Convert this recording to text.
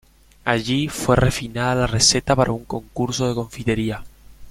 Allí fue refinada la receta para un concurso de confitería.